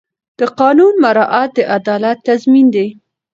د قانون مراعات د عدالت تضمین دی.